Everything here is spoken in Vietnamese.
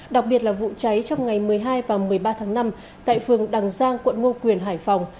đặc biệt là vụ cháy trong ngày một mươi hai và một mươi ba tháng năm tại phường đằng giang quận ngo quyền hải phòng